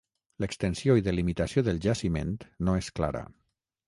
L'extensió i delimitació del jaciment no és clara.